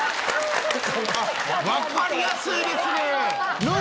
わかりやすいですね！